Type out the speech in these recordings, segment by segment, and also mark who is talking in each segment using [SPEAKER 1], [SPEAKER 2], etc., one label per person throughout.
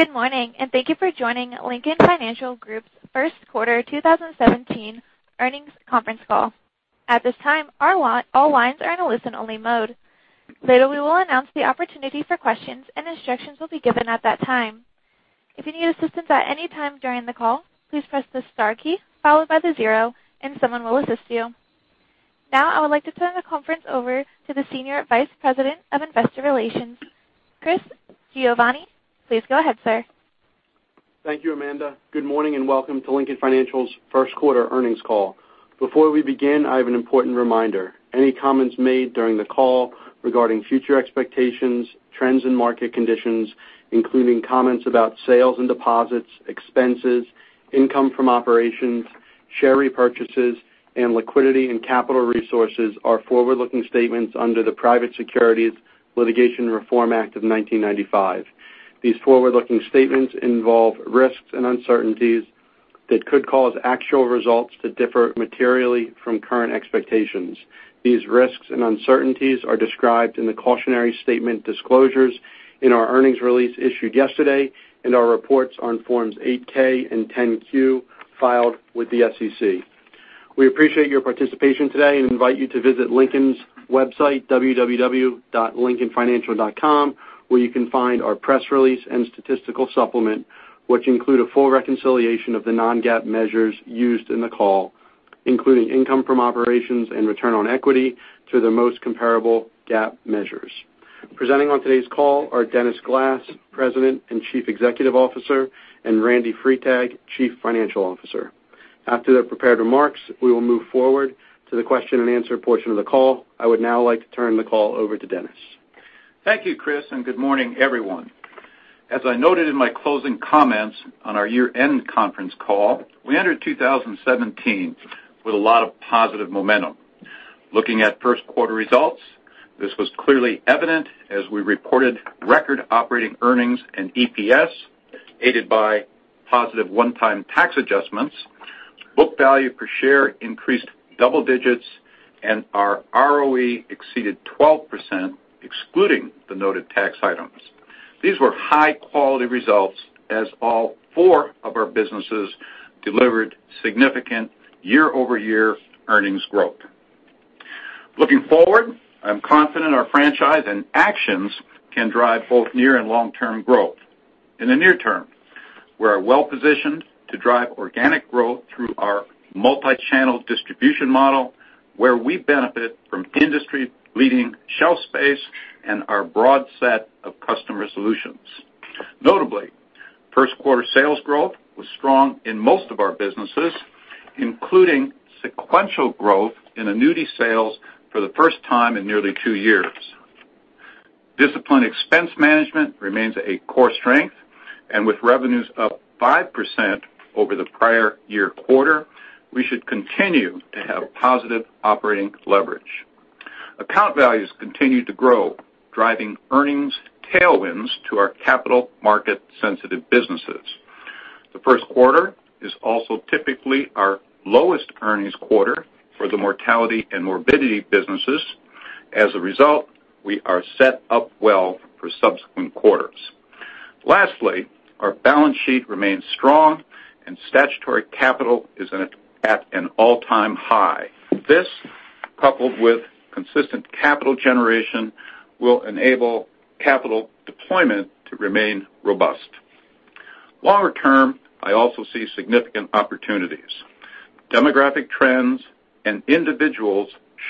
[SPEAKER 1] Good morning, and thank you for joining Lincoln Financial Group's first quarter 2017 earnings conference call. At this time, all lines are in a listen-only mode. Later, we will announce the opportunity for questions, and instructions will be given at that time. If you need assistance at any time during the call, please press the star key followed by the zero and someone will assist you. I would like to turn the conference over to the Senior Vice President of Investor Relations, Chris Giovanni. Please go ahead, sir.
[SPEAKER 2] Thank you, Amanda. Good morning and welcome to Lincoln Financial's first quarter earnings call. Before we begin, I have an important reminder. Any comments made during the call regarding future expectations, trends, and market conditions, including comments about sales and deposits, expenses, income from operations, share repurchases, and liquidity and capital resources are forward-looking statements under the Private Securities Litigation Reform Act of 1995. These forward-looking statements involve risks and uncertainties that could cause actual results to differ materially from current expectations. These risks and uncertainties are described in the cautionary statement disclosures in our earnings release issued yesterday and our reports on Forms 8-K and 10-Q filed with the SEC. We appreciate your participation today and invite you to visit Lincoln's website, www.lincolnfinancial.com, where you can find our press release and statistical supplement, which include a full reconciliation of the non-GAAP measures used in the call, including income from operations and return on equity to the most comparable GAAP measures. Presenting on today's call are Dennis Glass, President and Chief Executive Officer, and Randy Freitag, Chief Financial Officer. After their prepared remarks, we will move forward to the question and answer portion of the call. I would now like to turn the call over to Dennis.
[SPEAKER 3] Thank you, Chris, good morning, everyone. As I noted in my closing comments on our year-end conference call, we entered 2017 with a lot of positive momentum. Looking at first quarter results, this was clearly evident as we reported record operating earnings and EPS aided by positive one-time tax adjustments. Book value per share increased double digits and our ROE exceeded 12%, excluding the noted tax items. These were high-quality results as all four of our businesses delivered significant year-over-year earnings growth. Looking forward, I'm confident our franchise and actions can drive both near and long-term growth. In the near term, we are well-positioned to drive organic growth through our multi-channel distribution model where we benefit from industry-leading shelf space and our broad set of customer solutions. Notably, first quarter sales growth was strong in most of our businesses, including sequential growth in annuity sales for the first time in nearly 2 years. Disciplined expense management remains a core strength, and with revenues up 5% over the prior year quarter, we should continue to have positive operating leverage. Account values continue to grow, driving earnings tailwinds to our capital market sensitive businesses. The first quarter is also typically our lowest earnings quarter for the mortality and morbidity businesses. As a result, we are set up well for subsequent quarters. Lastly, our balance sheet remains strong and statutory capital is at an all-time high. This, coupled with consistent capital generation, will enable capital deployment to remain robust. Longer term, I also see significant opportunities. Demographic trends and individuals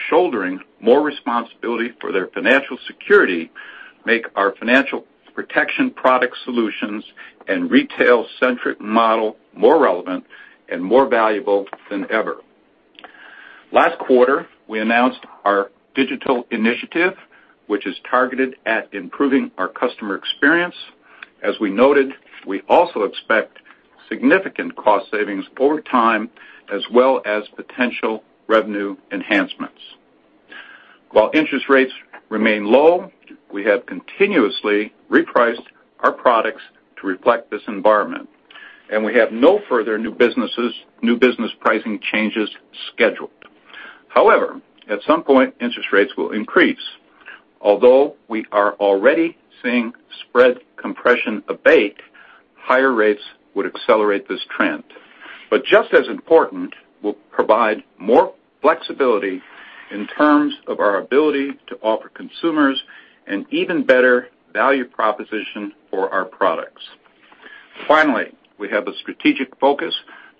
[SPEAKER 3] shouldering more responsibility for their financial security make our financial protection product solutions and retail-centric model more relevant and more valuable than ever. Last quarter, we announced our digital initiative, which is targeted at improving our customer experience. As we noted, we also expect significant cost savings over time as well as potential revenue enhancements. While interest rates remain low, we have continuously repriced our products to reflect this environment, and we have no further new business pricing changes scheduled. However, at some point, interest rates will increase. Although we are already seeing spread compression abate, higher rates would accelerate this trend. Just as important will provide more flexibility in terms of our ability to offer consumers an even better value proposition for our products. Finally, we have a strategic focus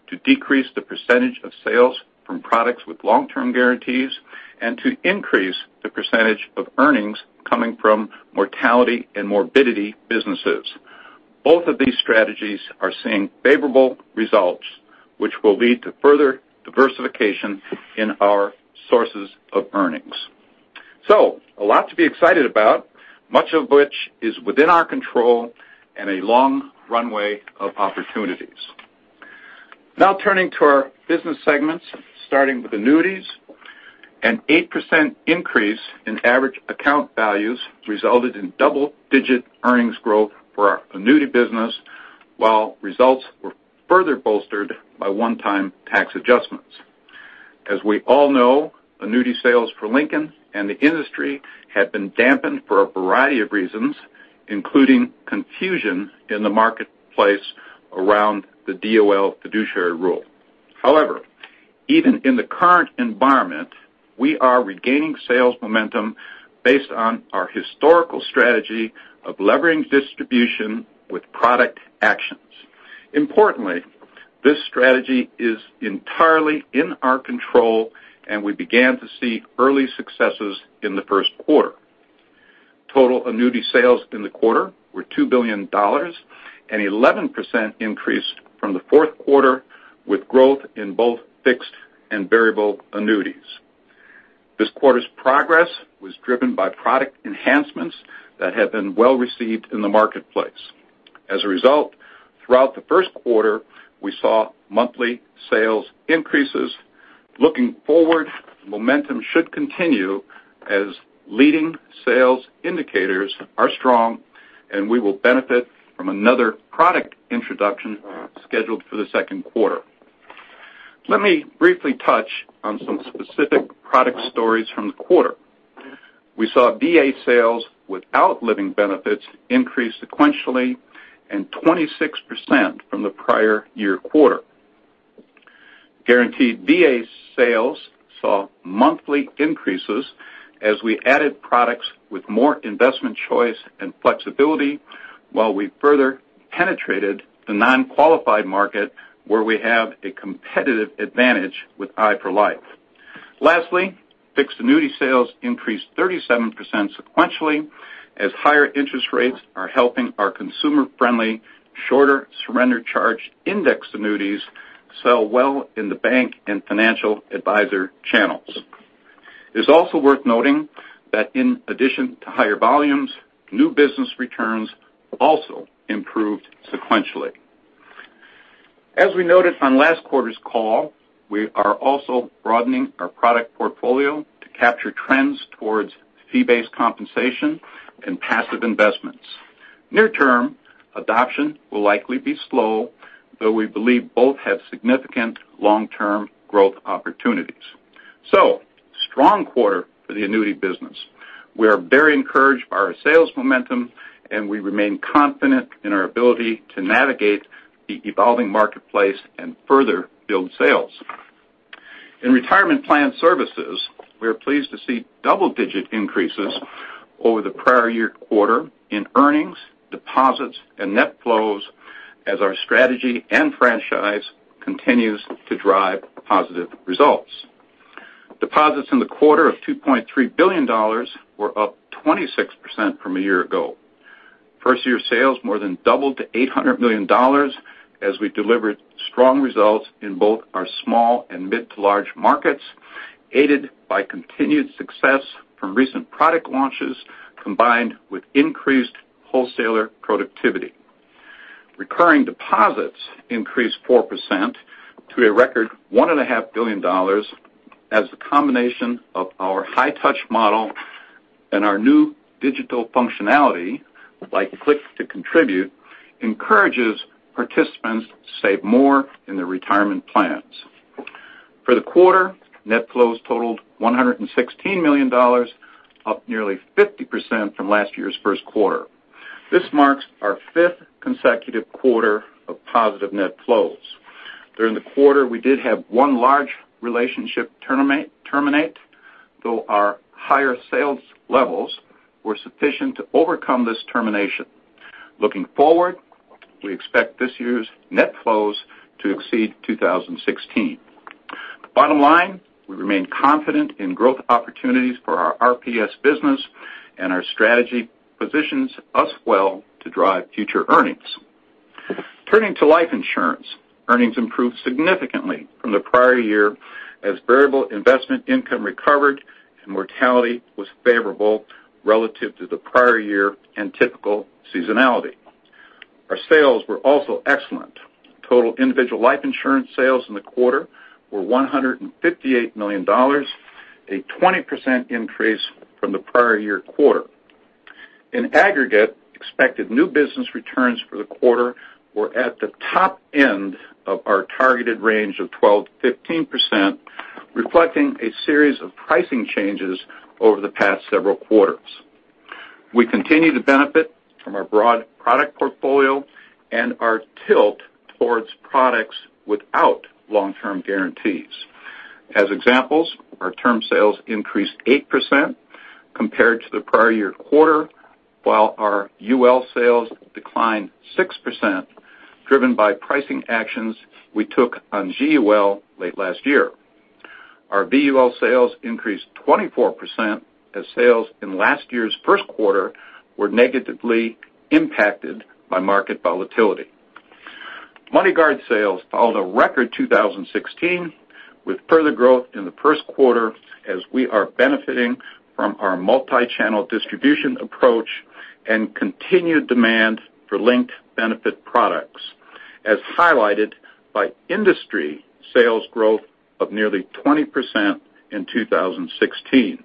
[SPEAKER 3] to decrease the percentage of sales from products with long-term guarantees and to increase the percentage of earnings coming from mortality and morbidity businesses. Both of these strategies are seeing favorable results, which will lead to further diversification in our sources of earnings. A lot to be excited about, much of which is within our control and a long runway of opportunities. Now turning to our business segments, starting with annuities. An 8% increase in average account values resulted in double-digit earnings growth for our annuity business, while results were further bolstered by one-time tax adjustments. As we all know, annuity sales for Lincoln and the industry have been dampened for a variety of reasons, including confusion in the marketplace around the DOL fiduciary rule. However, even in the current environment, we are regaining sales momentum based on our historical strategy of levering distribution with product actions. Importantly, this strategy is entirely in our control, and we began to see early successes in the first quarter. Total annuity sales in the quarter were $2 billion, an 11% increase from the fourth quarter, with growth in both fixed and variable annuities. This quarter's progress was driven by product enhancements that have been well received in the marketplace. As a result, throughout the first quarter, we saw monthly sales increases. Looking forward, momentum should continue as leading sales indicators are strong, and we will benefit from another product introduction scheduled for the second quarter. Let me briefly touch on some specific product stories from the quarter. We saw VA sales without living benefits increase sequentially and 26% from the prior year quarter. Guaranteed VA sales saw monthly increases as we added products with more investment choice and flexibility, while we further penetrated the non-qualified market, where we have a competitive advantage with i4 Life. Lastly, fixed annuity sales increased 37% sequentially as higher interest rates are helping our consumer-friendly, shorter surrender charge indexed annuities sell well in the bank and financial advisor channels. It is also worth noting that in addition to higher volumes, new business returns have also improved sequentially. As we noted on last quarter's call, we are also broadening our product portfolio to capture trends towards fee-based compensation and passive investments. Near term, adoption will likely be slow, though we believe both have significant long-term growth opportunities. Strong quarter for the annuity business. We are very encouraged by our sales momentum, and we remain confident in our ability to navigate the evolving marketplace and further build sales. In retirement plan services, we are pleased to see double-digit increases over the prior year quarter in earnings, deposits, and net flows as our strategy and franchise continues to drive positive results. Deposits in the quarter of $2.3 billion were up 26% from a year ago. First-year sales more than doubled to $800 million as we delivered strong results in both our small and mid to large markets, aided by continued success from recent product launches, combined with increased wholesaler productivity. Recurring deposits increased 4% to a record $1.5 billion, as the combination of our high touch model and our new digital functionality, like Click to Contribute, encourages participants to save more in their retirement plans. For the quarter, net flows totaled $116 million, up nearly 50% from last year's first quarter. This marks our fifth consecutive quarter of positive net flows. During the quarter, we did have one large relationship terminate, though our higher sales levels were sufficient to overcome this termination. Looking forward, we expect this year's net flows to exceed 2016. Bottom line, we remain confident in growth opportunities for our RPS business, and our strategy positions us well to drive future earnings. Turning to life insurance, earnings improved significantly from the prior year as variable investment income recovered and mortality was favorable relative to the prior year and typical seasonality. Our sales were also excellent. Total individual life insurance sales in the quarter were $158 million, a 20% increase from the prior year quarter. In aggregate, expected new business returns for the quarter were at the top end of our targeted range of 12%-15%, reflecting a series of pricing changes over the past several quarters. We continue to benefit from our broad product portfolio and our tilt towards products without long-term guarantees. As examples, our term sales increased 8% compared to the prior year quarter, while our UL sales declined 6%, driven by pricing actions we took on GUL late last year. Our BUL sales increased 24%, as sales in last year's first quarter were negatively impacted by market volatility. MoneyGuard sales followed a record 2016, with further growth in the first quarter as we are benefiting from our multi-channel distribution approach and continued demand for linked benefit products, as highlighted by industry sales growth of nearly 20% in 2016.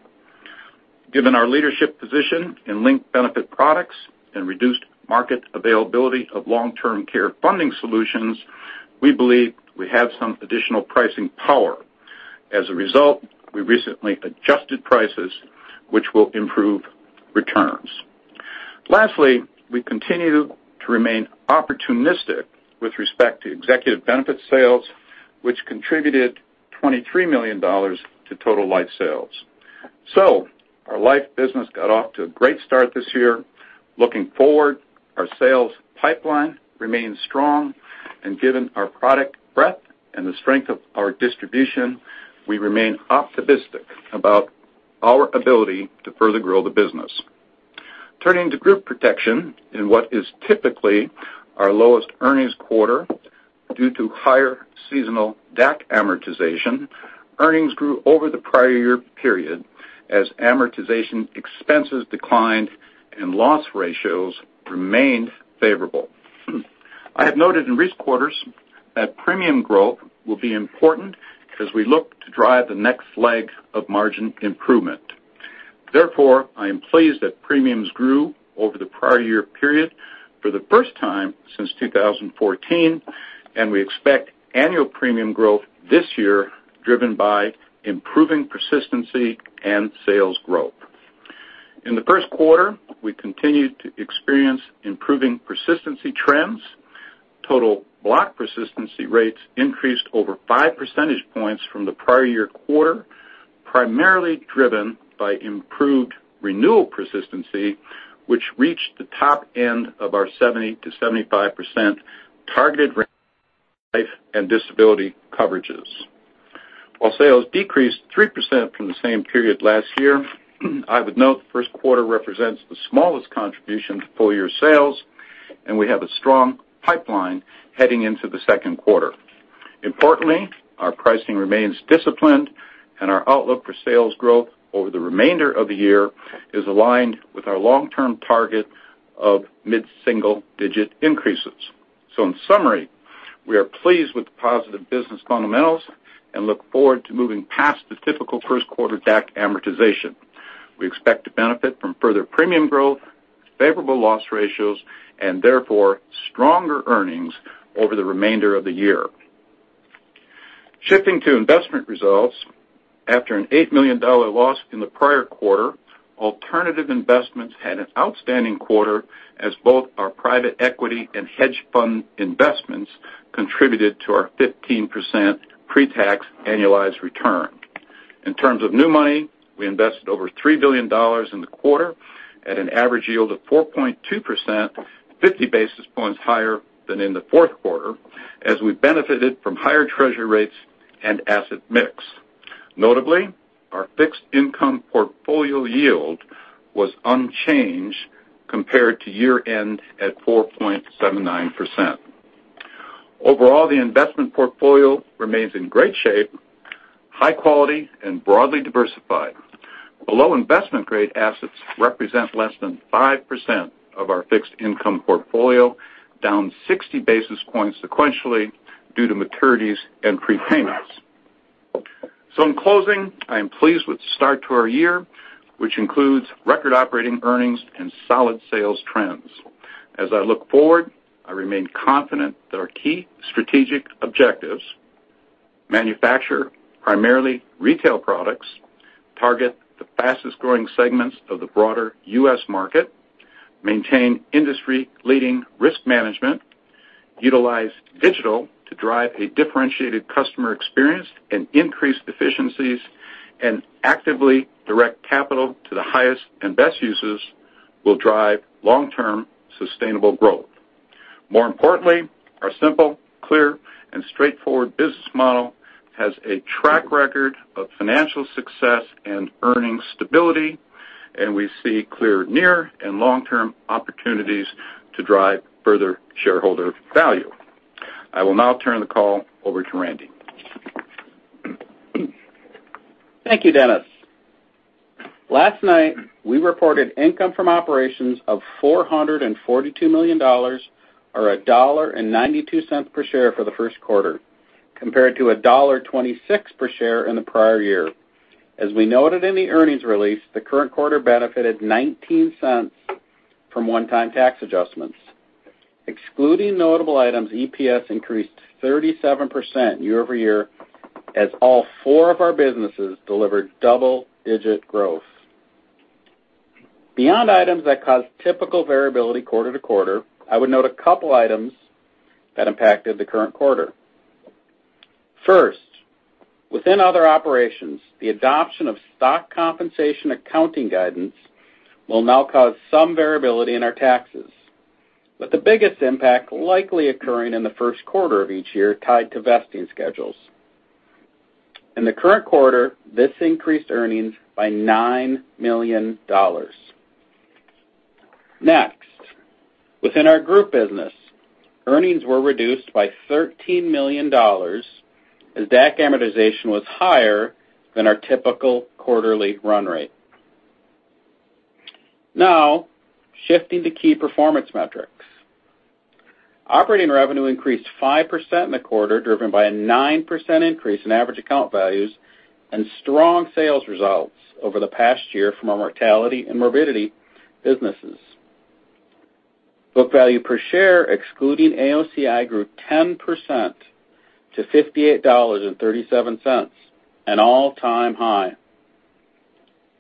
[SPEAKER 3] Given our leadership position in linked benefit products and reduced market availability of long-term care funding solutions, we believe we have some additional pricing power. As a result, we recently adjusted prices, which will improve returns. Lastly, we continue to remain opportunistic with respect to executive benefit sales, which contributed $23 million to total life sales. Our life business got off to a great start this year. Looking forward, our sales pipeline remains strong, and given our product breadth and the strength of our distribution, we remain optimistic about our ability to further grow the business. Turning to group protection in what is typically our lowest earnings quarter due to higher seasonal DAC amortization, earnings grew over the prior year period as amortization expenses declined and loss ratios remained favorable. I have noted in recent quarters that premium growth will be important as we look to drive the next leg of margin improvement. Therefore, I am pleased that premiums grew over the prior year period for the first time since 2014, and we expect annual premium growth this year driven by improving persistency and sales growth. In the first quarter, we continued to experience improving persistency trends. Total block persistency rates increased over five percentage points from the prior year quarter, primarily driven by improved renewal persistency, which reached the top end of our 70%-75% targeted life and disability coverages. While sales decreased 3% from the same period last year, I would note the first quarter represents the smallest contribution to full-year sales, and we have a strong pipeline heading into the second quarter. Importantly, our pricing remains disciplined, and our outlook for sales growth over the remainder of the year is aligned with our long-term target of mid-single-digit increases. In summary, we are pleased with the positive business fundamentals and look forward to moving past the typical first quarter DAC amortization. We expect to benefit from further premium growth, favorable loss ratios, and therefore stronger earnings over the remainder of the year. Shifting to investment results, after an $8 million loss in the prior quarter, alternative investments had an outstanding quarter as both our private equity and hedge fund investments contributed to our 15% pre-tax annualized return. In terms of new money, we invested over $3 billion in the quarter at an average yield of 4.2%, 50 basis points higher than in the fourth quarter, as we benefited from higher treasury rates and asset mix. Notably, our fixed income portfolio yield was unchanged compared to year-end at 4.79%. Overall, the investment portfolio remains in great shape, high quality, and broadly diversified. Below investment-grade assets represent less than 5% of our fixed income portfolio, down 60 basis points sequentially due to maturities and prepayments. In closing, I am pleased with the start to our year, which includes record operating earnings and solid sales trends. As I look forward, I remain confident that our key strategic objectives, manufacture primarily retail products, target the fastest-growing segments of the broader U.S. market, maintain industry-leading risk management, utilize digital to drive a differentiated customer experience and increase efficiencies, and actively direct capital to the highest and best uses will drive long-term sustainable growth. More importantly, our simple, clear, and straightforward business model has a track record of financial success and earnings stability, and we see clear near and long-term opportunities to drive further shareholder value. I will now turn the call over to Randy.
[SPEAKER 4] Thank you, Dennis. Last night, we reported income from operations of $442 million or $1.92 per share for the first quarter, compared to $1.26 per share in the prior year. As we noted in the earnings release, the current quarter benefited $0.19 from one-time tax adjustments. Excluding notable items, EPS increased 37% year-over-year as all four of our businesses delivered double-digit growth. Beyond items that cause typical variability quarter-to-quarter, I would note a couple items that impacted the current quarter. First, within other operations, the adoption of stock compensation accounting guidance will now cause some variability in our taxes, with the biggest impact likely occurring in the first quarter of each year tied to vesting schedules. In the current quarter, this increased earnings by $9 million. Within our group business, earnings were reduced by $13 million as DAC amortization was higher than our typical quarterly run rate. Shifting to key performance metrics. Operating revenue increased 5% in the quarter, driven by a 9% increase in average account values and strong sales results over the past year from our mortality and morbidity businesses. Book value per share, excluding AOCI, grew 10% to $58.37, an all-time high.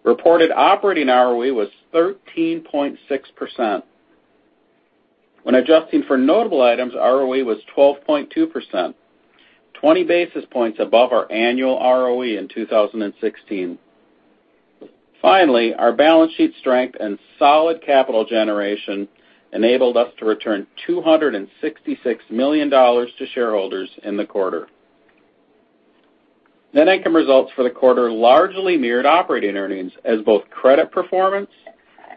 [SPEAKER 4] Reported operating ROE was 13.6%. When adjusting for notable items, ROE was 12.2%, 20 basis points above our annual ROE in 2016. Our balance sheet strength and solid capital generation enabled us to return $266 million to shareholders in the quarter. Net income results for the quarter largely mirrored operating earnings, as both credit performance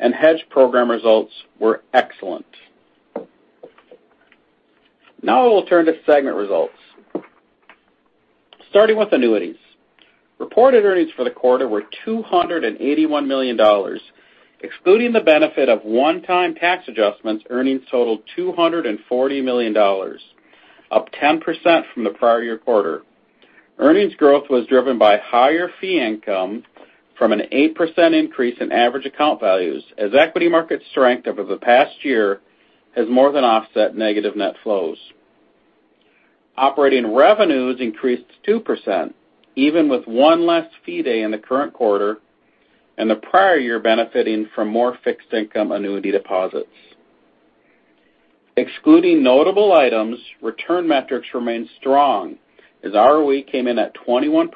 [SPEAKER 4] and hedge program results were excellent. I will turn to segment results. Starting with annuities. Reported earnings for the quarter were $281 million. Excluding the benefit of one-time tax adjustments, earnings totaled $240 million, up 10% from the prior year quarter. Earnings growth was driven by higher fee income from an 8% increase in average account values, as equity market strength over the past year has more than offset negative net flows. Operating revenues increased 2%, even with one less fee day in the current quarter and the prior year benefiting from more fixed income annuity deposits. Excluding notable items, return metrics remained strong, as ROE came in at 21%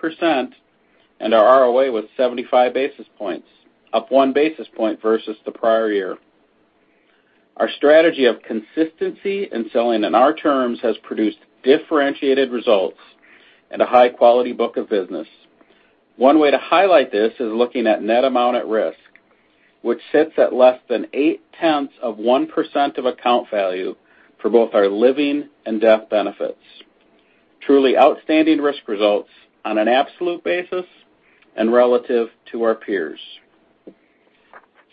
[SPEAKER 4] and our ROA was 75 basis points, up one basis point versus the prior year. Our strategy of consistency and selling on our terms has produced differentiated results and a high-quality book of business. One way to highlight this is looking at net amount at risk, which sits at less than eight tenths of 1% of account value for both our living and death benefits. Truly outstanding risk results on an absolute basis and relative to our peers.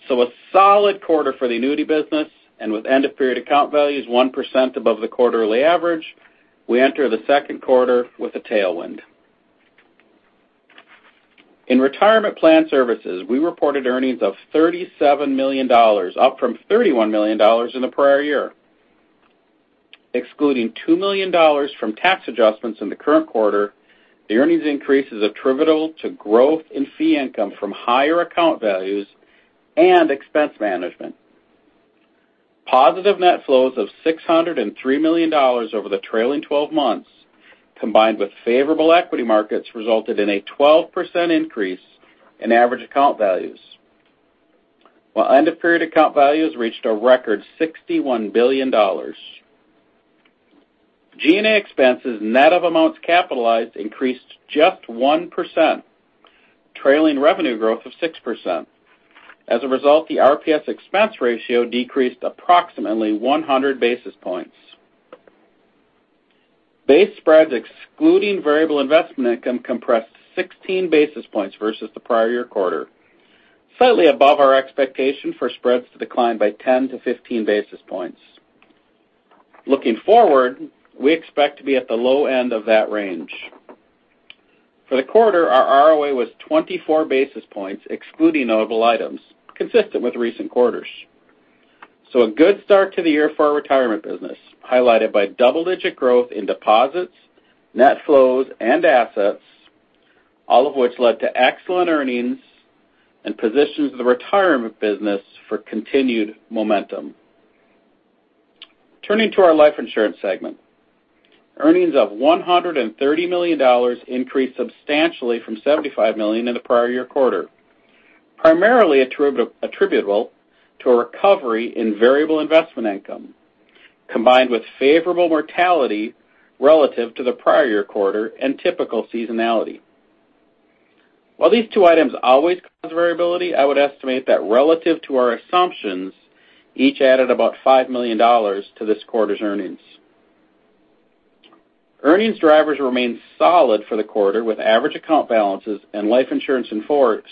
[SPEAKER 4] A solid quarter for the annuity business, and with end-of-period account values 1% above the quarterly average, we enter the second quarter with a tailwind. In retirement plan services, we reported earnings of $37 million, up from $31 million in the prior year. Excluding $2 million from tax adjustments in the current quarter, the earnings increase is attributable to growth in fee income from higher account values and expense management. Positive net flows of $603 million over the trailing 12 months, combined with favorable equity markets, resulted in a 12% increase in average account values, while end-of-period account values reached a record $61 billion. G&A expenses, net of amounts capitalized, increased just 1%, trailing revenue growth of 6%. The RPS expense ratio decreased approximately 100 basis points. Base spreads excluding variable investment income compressed 16 basis points versus the prior year quarter, slightly above our expectation for spreads to decline by 10-15 basis points. Looking forward, we expect to be at the low end of that range. For the quarter, our ROA was 24 basis points, excluding notable items, consistent with recent quarters. A good start to the year for our retirement business, highlighted by double-digit growth in deposits, net flows, and assets, all of which led to excellent earnings and positions the retirement business for continued momentum. Turning to our life insurance segment. Earnings of $130 million increased substantially from $75 million in the prior year quarter, primarily attributable to a recovery in variable investment income, combined with favorable mortality relative to the prior year quarter and typical seasonality. While these two items always cause variability, I would estimate that relative to our assumptions, each added about $5 million to this quarter's earnings. Earnings drivers remained solid for the quarter, with average account balances and life insurance in force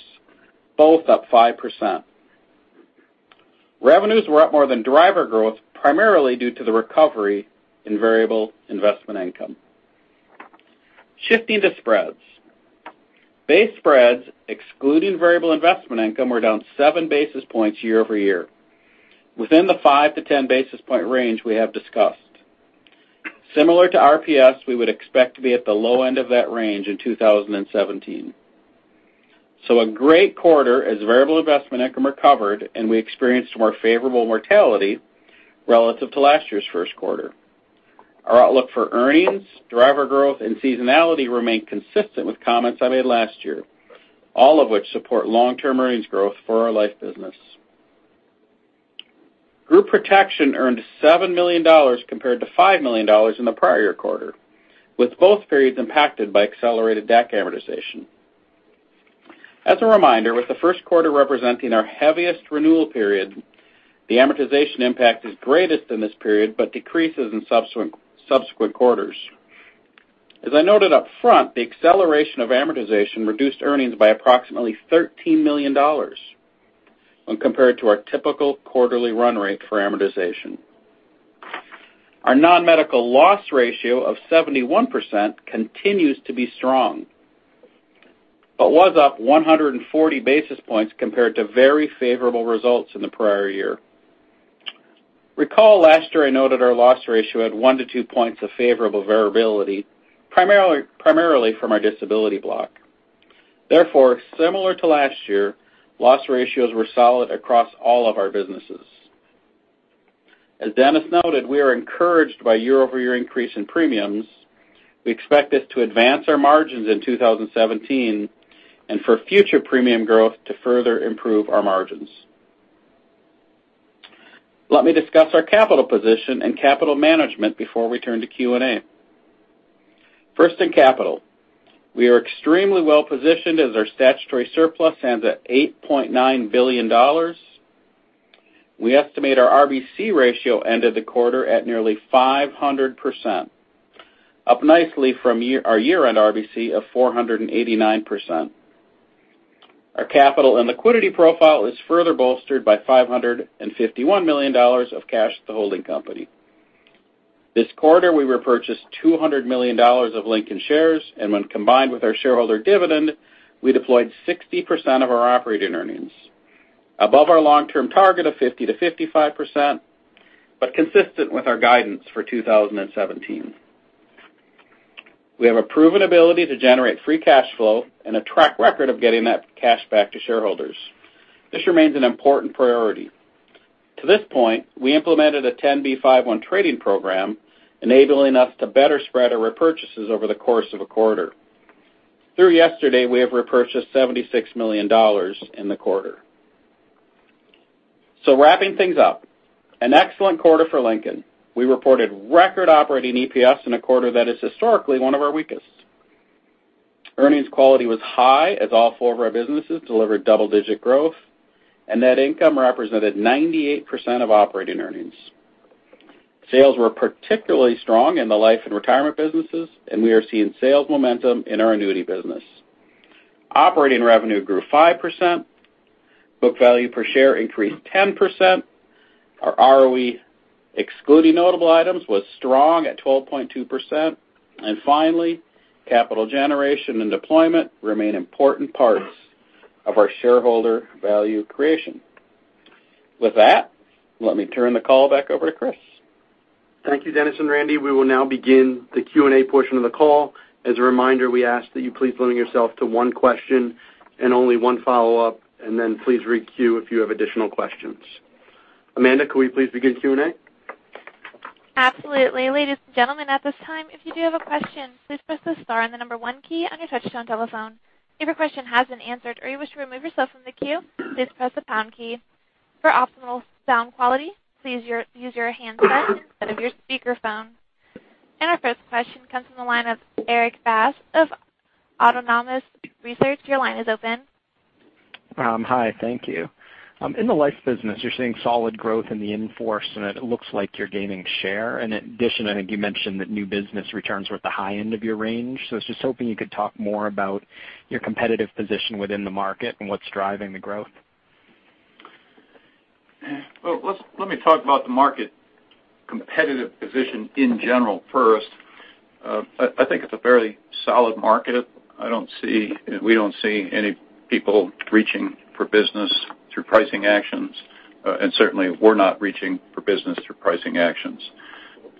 [SPEAKER 4] both up 5%. Revenues were up more than driver growth, primarily due to the recovery in variable investment income. Shifting to spreads. Base spreads, excluding variable investment income, were down seven basis points year-over-year, within the 5-10 basis point range we have discussed. Similar to RPS, we would expect to be at the low end of that range in 2017. A great quarter as variable investment income recovered and we experienced more favorable mortality relative to last year's first quarter. Our outlook for earnings, driver growth, and seasonality remain consistent with comments I made last year, all of which support long-term earnings growth for our life business. Group protection earned $7 million compared to $5 million in the prior quarter, with both periods impacted by accelerated DAC amortization. With the first quarter representing our heaviest renewal period, the amortization impact is greatest in this period but decreases in subsequent quarters. The acceleration of amortization reduced earnings by approximately $13 million when compared to our typical quarterly run rate for amortization. Our non-medical loss ratio of 71% continues to be strong, but was up 140 basis points compared to very favorable results in the prior year. Recall last year I noted our loss ratio at 1-2 points of favorable variability, primarily from our disability block. Similar to last year, loss ratios were solid across all of our businesses. As Dennis noted, we are encouraged by year-over-year increase in premiums. We expect this to advance our margins in 2017 and for future premium growth to further improve our margins. Let me discuss our capital position and capital management before we turn to Q&A. In capital, we are extremely well-positioned as our statutory surplus ends at $8.9 billion. We estimate our RBC ratio ended the quarter at nearly 500%, up nicely from our year-end RBC of 489%. Our capital and liquidity profile is further bolstered by $551 million of cash at the holding company. This quarter, we repurchased $200 million of Lincoln shares, and when combined with our shareholder dividend, we deployed 60% of our operating earnings, above our long-term target of 50%-55%, but consistent with our guidance for 2017. We have a proven ability to generate free cash flow and a track record of getting that cash back to shareholders. This remains an important priority. To this point, we implemented a Rule 10b5-1 trading program, enabling us to better spread our repurchases over the course of a quarter. Through yesterday, we have repurchased $76 million in the quarter. Wrapping things up, an excellent quarter for Lincoln. We reported record operating EPS in a quarter that is historically one of our weakest. Earnings quality was high as all four of our businesses delivered double-digit growth, and net income represented 98% of operating earnings. Sales were particularly strong in the life and retirement businesses, and we are seeing sales momentum in our annuity business. Operating revenue grew 5%, book value per share increased 10%, our ROE, excluding notable items, was strong at 12.2%, and finally, capital generation and deployment remain important parts of our shareholder value creation. With that, let me turn the call back over to Chris.
[SPEAKER 2] Thank you, Dennis and Randy. We will now begin the Q&A portion of the call. As a reminder, we ask that you please limit yourself to one question and only one follow-up, and then please re-queue if you have additional questions. Amanda, could we please begin Q&A?
[SPEAKER 1] Absolutely. Ladies and gentlemen, at this time, if you do have a question, please press the star and the number one key on your touchtone telephone. If your question has been answered or you wish to remove yourself from the queue, please press the pound key. For optimal sound quality, please use your handset instead of your speakerphone. Our first question comes from the line of Erik Bass of Autonomous Research. Your line is open.
[SPEAKER 5] Hi, thank you. In the life business, you're seeing solid growth in the in-force, and it looks like you're gaining share. In addition, I think you mentioned that new business returns were at the high end of your range. I was just hoping you could talk more about your competitive position within the market and what's driving the growth.
[SPEAKER 4] Well, let me talk about the market competitive position in general first. I think it's a very solid market. We don't see any people reaching for business through pricing actions, and certainly we're not reaching for business through pricing actions.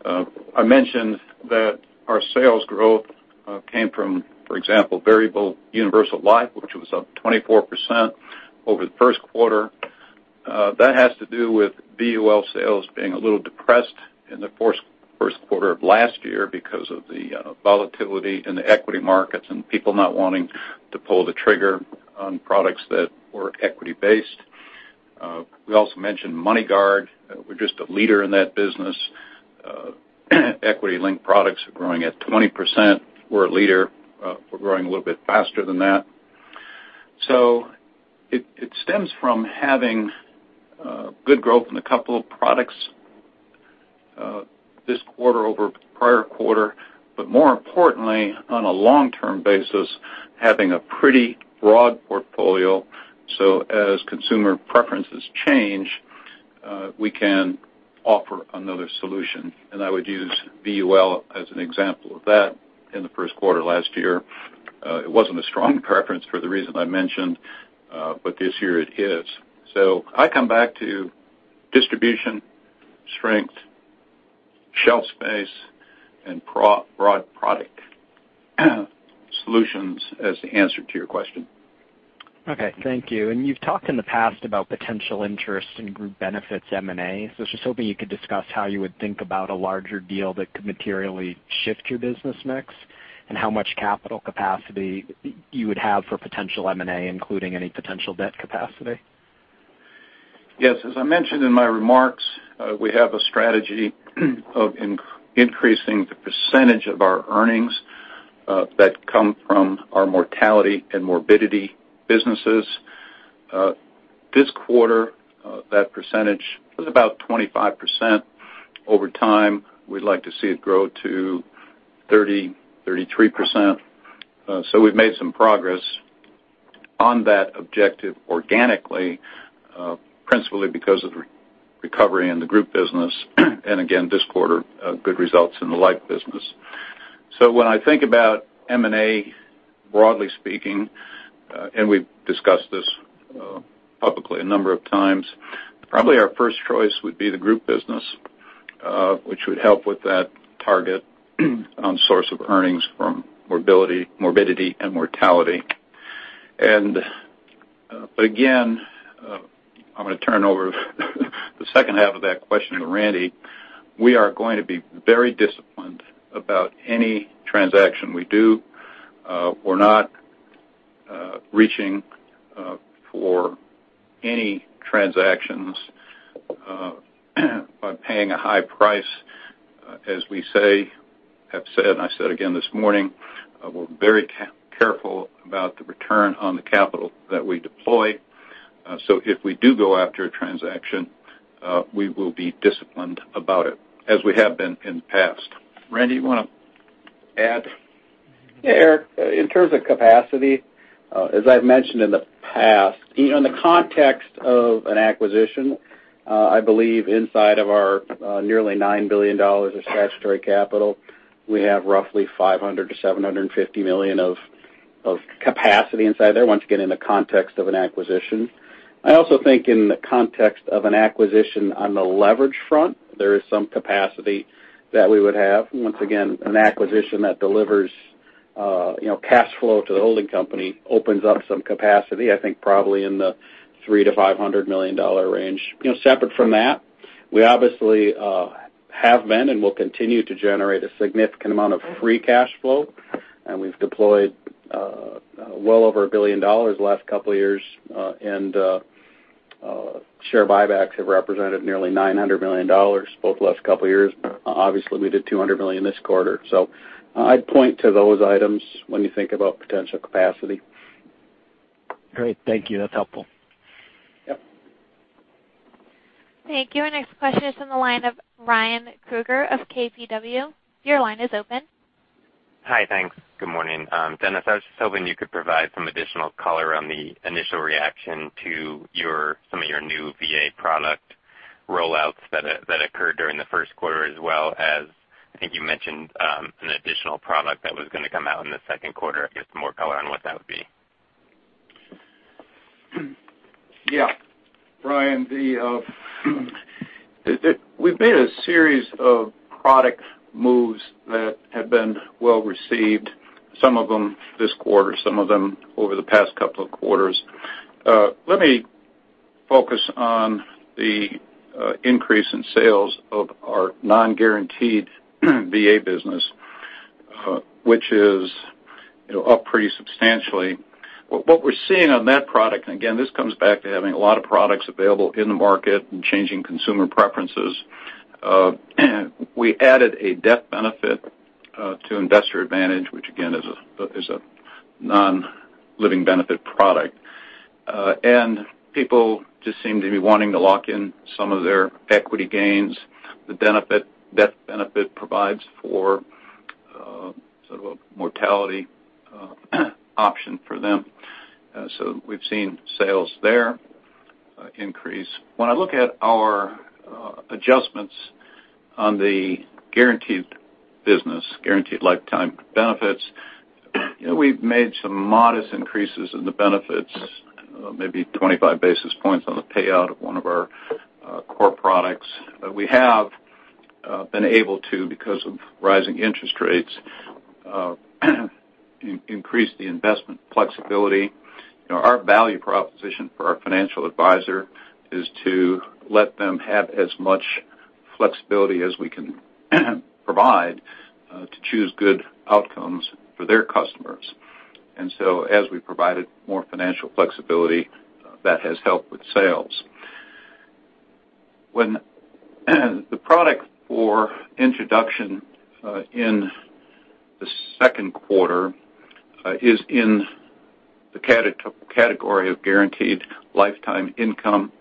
[SPEAKER 4] I mentioned that our sales growth came from, for example, variable universal life, which was up 24% over the first quarter. That has to do with VUL sales being a little depressed in the first quarter of last year because of the volatility in the equity markets and people not wanting to pull the trigger on products that were equity-based. We also mentioned MoneyGuard. We're just a leader in that business. Equity-linked products are growing at 20%. We're a leader. We're growing a little bit faster than that. It stems from having good growth in a couple of products this quarter over prior quarter, but more importantly, on a long-term basis, having a pretty broad portfolio, so as consumer preferences change, we can offer another solution. I would use VUL as an example of that in the first quarter last year. It wasn't a strong preference for the reason I mentioned, but this year it is. I come back to distribution, strength, shelf space, and broad product solutions as the answer to your question.
[SPEAKER 5] Okay. Thank you. You've talked in the past about potential interest in group benefits M&A. I was just hoping you could discuss how you would think about a larger deal that could materially shift your business mix and how much capital capacity you would have for potential M&A, including any potential debt capacity.
[SPEAKER 4] Yes, as I mentioned in my remarks, we have a strategy of increasing the percentage of our earnings that come from our mortality and morbidity businesses.
[SPEAKER 3] This quarter, that percentage was about 25%. Over time, we'd like to see it grow to 30%, 33%. We've made some progress on that objective organically, principally because of the recovery in the group business, and again this quarter, good results in the life business. When I think about M&A, broadly speaking, and we've discussed this publicly a number of times, probably our first choice would be the group business, which would help with that target on source of earnings from morbidity and mortality. Again, I'm going to turn over the second half of that question to Randy. We are going to be very disciplined about any transaction we do. We're not reaching for any transactions by paying a high price. As we have said, and I said again this morning, we're very careful about the return on the capital that we deploy. If we do go after a transaction, we will be disciplined about it, as we have been in the past. Randy, you want to add?
[SPEAKER 4] Yeah, Erik. In terms of capacity, as I've mentioned in the past, in the context of an acquisition, I believe inside of our nearly $9 billion of statutory capital, we have roughly $500 million-$750 million of capacity inside there, once you get in the context of an acquisition. I also think in the context of an acquisition on the leverage front, there is some capacity that we would have. Once again, an acquisition that delivers cash flow to the holding company opens up some capacity, I think probably in the $300 million-$500 million range. Separate from that, we obviously have been and will continue to generate a significant amount of free cash flow, and we've deployed well over $1 billion the last couple of years, and share buybacks have represented nearly $900 million both last couple of years. Obviously, we did $200 million this quarter. I'd point to those items when you think about potential capacity.
[SPEAKER 5] Great. Thank you. That's helpful.
[SPEAKER 4] Yep.
[SPEAKER 1] Thank you. Our next question is on the line of Ryan Krueger of KBW. Your line is open.
[SPEAKER 6] Hi, thanks. Good morning. Dennis, I was just hoping you could provide some additional color on the initial reaction to some of your new VA product rollouts that occurred during the first quarter, as well as, I think you mentioned an additional product that was going to come out in the second quarter. I guess, more color on what that would be.
[SPEAKER 3] Yeah. Ryan, we've made a series of product moves that have been well-received, some of them this quarter, some of them over the past couple of quarters. Let me focus on the increase in sales of our non-guaranteed VA business, which is up pretty substantially. What we're seeing on that product, again, this comes back to having a lot of products available in the market and changing consumer preferences. We added a death benefit to Lincoln Investor Advantage, which again is a non-living benefit product. People just seem to be wanting to lock in some of their equity gains. The death benefit provides for a sort of a mortality option for them. We've seen sales there increase. When I look at our adjustments on the guaranteed business, guaranteed lifetime benefits, we've made some modest increases in the benefits, maybe 25 basis points on the payout of one of our core products. We have been able to, because of rising interest rates, increase the investment flexibility. Our value proposition for our financial advisor is to let them have as much flexibility as we can provide to choose good outcomes for their customers. So as we provided more financial flexibility, that has helped with sales. The product for introduction in the second quarter is in the category of guaranteed lifetime income.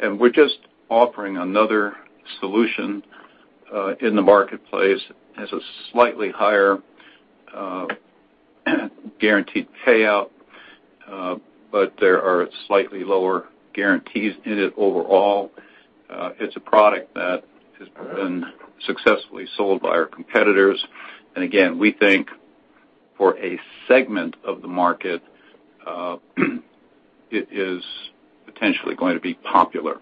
[SPEAKER 3] We're just offering another solution in the marketplace as a slightly higher guaranteed payout, there are slightly lower guarantees in it overall. It's a product that has been successfully sold by our competitors. Again, we think for a segment of the market, it is potentially going to be popular.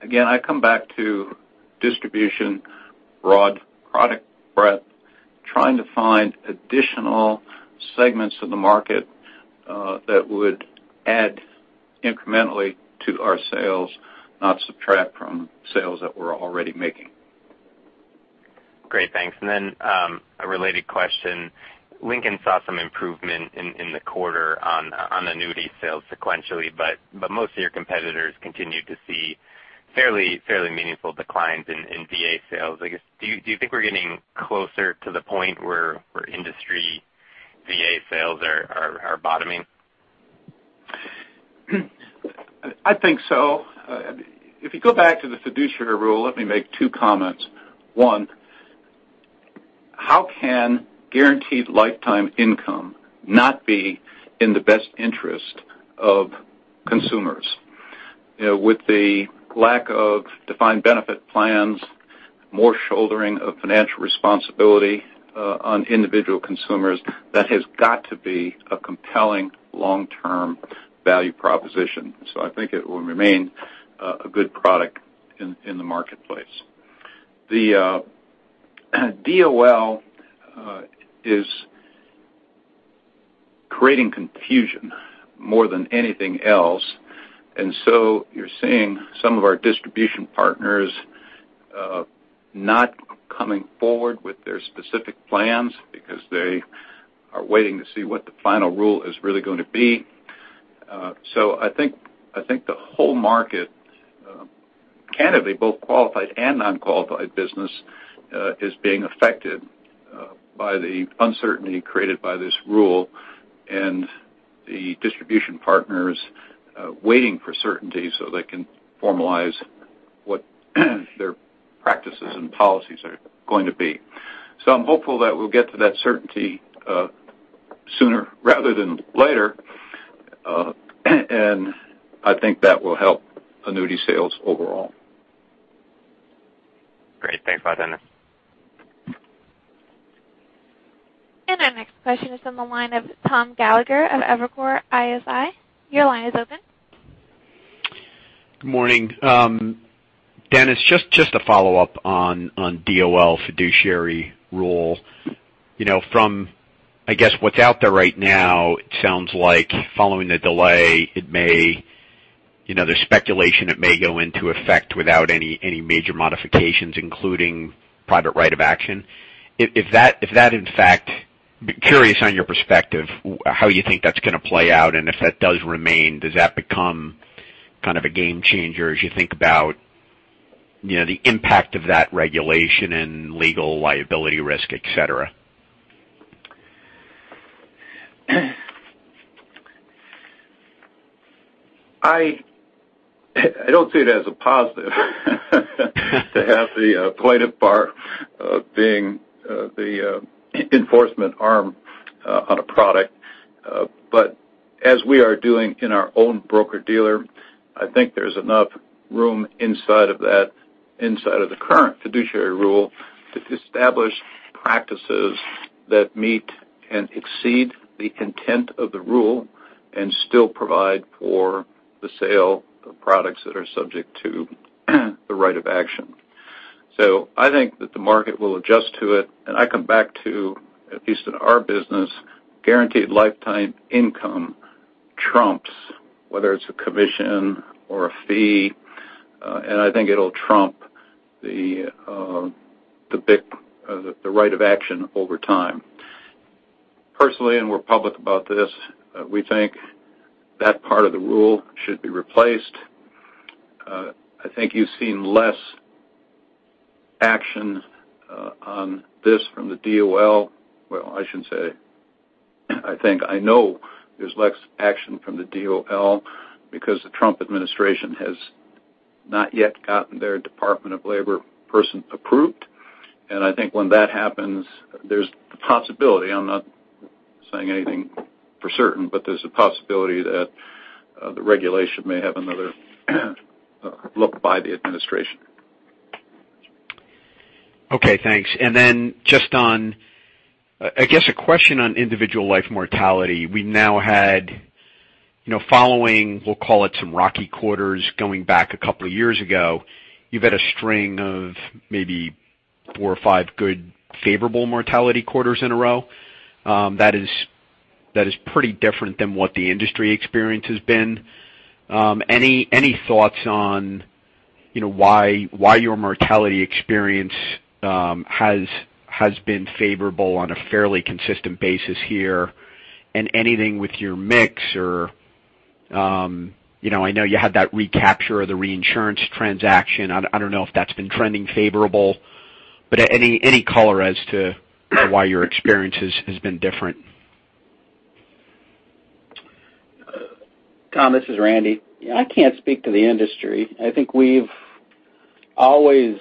[SPEAKER 3] Again, I come back to distribution, broad product breadth, trying to find additional segments of the market that would add incrementally to our sales, not subtract from sales that we're already making.
[SPEAKER 6] Great, thanks. A related question. Lincoln saw some improvement in the quarter on annuity sales sequentially, most of your competitors continued to see fairly meaningful declines in VA sales, I guess. Do you think we're getting closer to the point where industry VA sales are bottoming?
[SPEAKER 3] I think so. If you go back to the fiduciary rule, let me make two comments. One, how can guaranteed lifetime income not be in the best interest of consumers? With the lack of defined benefit plans, more shouldering of financial responsibility on individual consumers, that has got to be a compelling long-term value proposition. I think it will remain a good product in the marketplace. The DOL is creating confusion more than anything else. You're seeing some of our distribution partners not coming forward with their specific plans because they are waiting to see what the final rule is really going to be. I think the whole market, candidly, both qualified and non-qualified business, is being affected by the uncertainty created by this rule and the distribution partners waiting for certainty so they can formalize what their practices and policies are going to be. I'm hopeful that we'll get to that certainty sooner rather than later, and I think that will help annuity sales overall.
[SPEAKER 6] Great. Thanks a lot, Dennis.
[SPEAKER 1] Our next question is on the line of Tom Gallagher of Evercore ISI. Your line is open.
[SPEAKER 7] Good morning. Dennis, just to follow up on DOL fiduciary rule. From, I guess, what's out there right now, it sounds like following the delay, there's speculation it may go into effect without any major modifications, including private right of action. Curious on your perspective, how you think that's going to play out, and if that does remain, does that become kind of a game changer as you think about the impact of that regulation and legal liability risk, et cetera?
[SPEAKER 3] I don't see it as a positive to have the plaintiff bar being the enforcement arm on a product. As we are doing in our own broker-dealer, I think there's enough room inside of the current fiduciary rule to establish practices that meet and exceed the content of the rule, and still provide for the sale of products that are subject to the right of action. I think that the market will adjust to it. I come back to, at least in our business, guaranteed lifetime income trumps whether it's a commission or a fee, and I think it'll trump the right of action over time. Personally, and we're public about this, we think that part of the rule should be replaced. I think you've seen less action on this from the DOL. Well, I shouldn't say I think. I know there's less action from the DOL because the Trump administration has not yet gotten their Department of Labor person approved. I think when that happens, there's the possibility, I'm not saying anything for certain, but there's a possibility that the regulation may have another look by the administration.
[SPEAKER 7] Okay, thanks. Just on, I guess, a question on individual life mortality. We now had following, we'll call it some rocky quarters going back a couple of years ago, you've had a string of maybe four or five good favorable mortality quarters in a row. That is pretty different than what the industry experience has been. Any thoughts on why your mortality experience has been favorable on a fairly consistent basis here, and anything with your mix or I know you had that recapture of the reinsurance transaction. I don't know if that's been trending favorable, but any color as to why your experience has been different?
[SPEAKER 4] Tom, this is Randy. I can't speak to the industry. I think we've always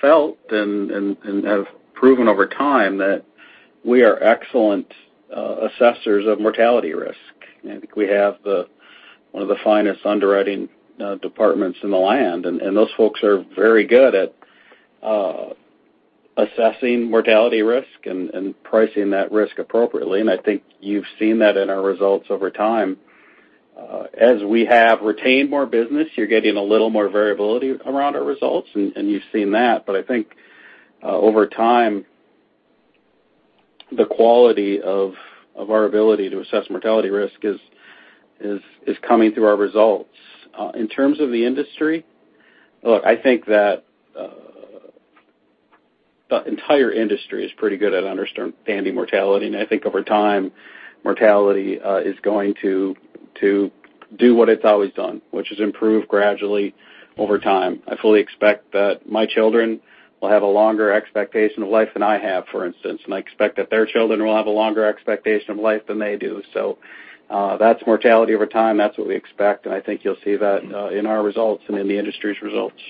[SPEAKER 4] felt and have proven over time that we are excellent assessors of mortality risk. I think we have one of the finest underwriting departments in the land, and those folks are very good at assessing mortality risk and pricing that risk appropriately, and I think you've seen that in our results over time. As we have retained more business, you're getting a little more variability around our results, and you've seen that. I think over time, the quality of our ability to assess mortality risk is coming through our results. In terms of the industry, look, I think that The entire industry is pretty good at understanding mortality. I think over time, mortality is going to do what it's always done, which is improve gradually over time. I fully expect that my children will have a longer expectation of life than I have, for instance, and I expect that their children will have a longer expectation of life than they do. That's mortality over time. That's what we expect. I think you'll see that in our results and in the industry's results.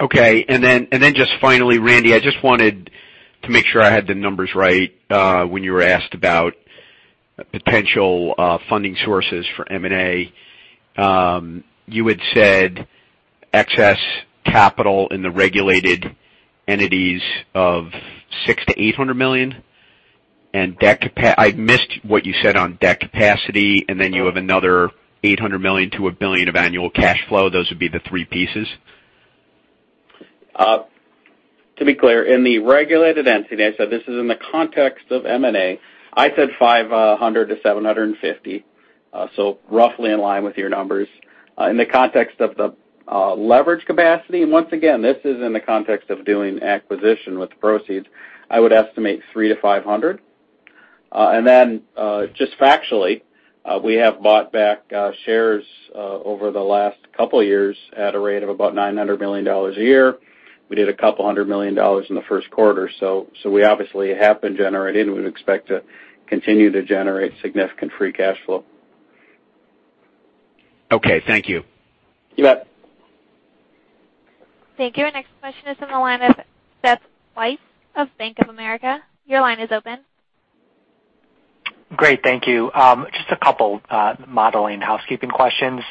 [SPEAKER 7] Okay. Just finally, Randy, I just wanted to make sure I had the numbers right. When you were asked about potential funding sources for M&A, you had said excess capital in the regulated entities of $600 million-$800 million. I missed what you said on debt capacity, and then you have another $800 million to $1 billion of annual cash flow. Those would be the three pieces?
[SPEAKER 4] To be clear, in the regulated entity, I said this is in the context of M&A. I said $500-$750, so roughly in line with your numbers. In the context of the leverage capacity, and once again, this is in the context of doing acquisition with the proceeds, I would estimate $300-$500. Just factually, we have bought back shares over the last couple of years at a rate of about $900 million a year. We did a couple of hundred million dollars in the first quarter. We expect to continue to generate significant free cash flow.
[SPEAKER 7] Okay. Thank you.
[SPEAKER 4] You bet.
[SPEAKER 1] Thank you. Our next question is on the line of Seth Weiss of Bank of America. Your line is open.
[SPEAKER 8] Great. Thank you. Just a couple modeling housekeeping questions.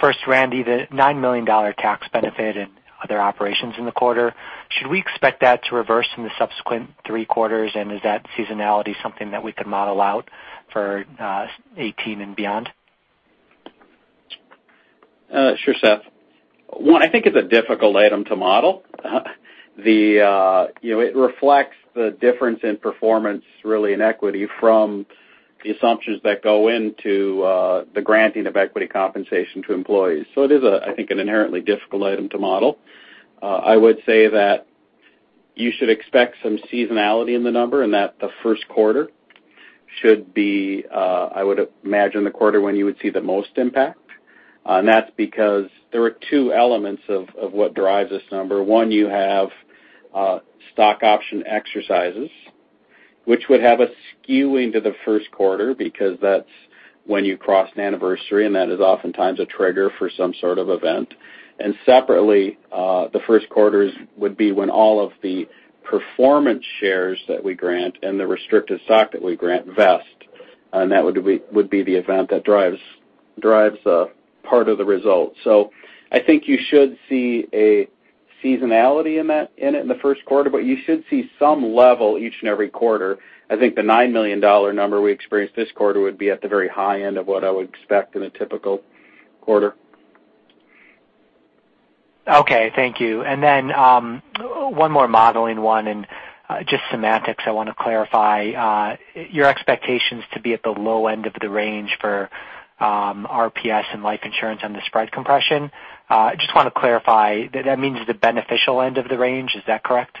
[SPEAKER 8] First, Randy, the $9 million tax benefit and other operations in the quarter, should we expect that to reverse in the subsequent three quarters? Is that seasonality something that we could model out for 2018 and beyond?
[SPEAKER 4] Sure, Seth. One, I think it's a difficult item to model. It reflects the difference in performance really in equity from the assumptions that go into the granting of equity compensation to employees. It is, I think, an inherently difficult item to model. I would say that you should expect some seasonality in the number and that the first quarter should be, I would imagine, the quarter when you would see the most impact. That's because there are two elements of what drives this number. One, you have stock option exercises, which would have a skew into the first quarter because that's when you cross an anniversary, and that is oftentimes a trigger for some sort of event. Separately, the first quarters would be when all of the performance shares that we grant and the restricted stock that we grant vest, and that would be the event that drives part of the result. I think you should see a seasonality in it in the first quarter, but you should see some level each and every quarter. I think the $9 million number we experienced this quarter would be at the very high end of what I would expect in a typical quarter.
[SPEAKER 8] Okay. Thank you. One more modeling one and just semantics I want to clarify. Your expectations to be at the low end of the range for RPS and life insurance on the spread compression. I just want to clarify, that means the beneficial end of the range, is that correct?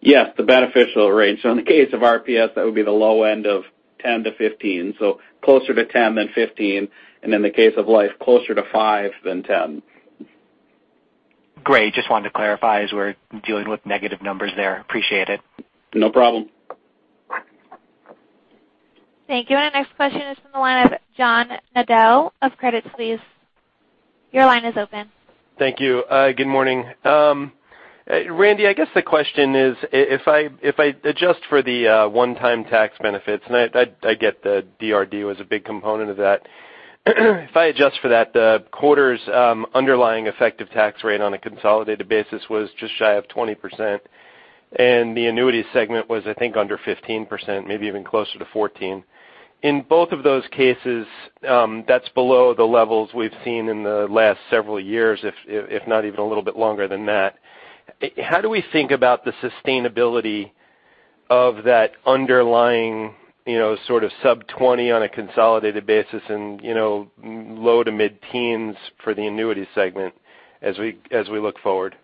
[SPEAKER 4] Yes, the beneficial range. In the case of RPS, that would be the low end of 10 to 15, closer to 10 than 15. In the case of life, closer to five than 10.
[SPEAKER 8] Great. Just wanted to clarify as we're dealing with negative numbers there. Appreciate it.
[SPEAKER 4] No problem.
[SPEAKER 1] Thank you. Our next question is from the line of John Nadel of Credit Suisse. Your line is open.
[SPEAKER 9] Thank you. Good morning. Randy, I guess the question is, if I adjust for the one-time tax benefits, and I get the DRD was a big component of that. If I adjust for that, the quarter's underlying effective tax rate on a consolidated basis was just shy of 20%, and the annuity segment was, I think, under 15%, maybe even closer to 14. In both of those cases, that's below the levels we've seen in the last several years, if not even a little bit longer than that. How do we think about the sustainability of that underlying sort of sub 20 on a consolidated basis and low to mid-teens for the annuity segment as we look forward?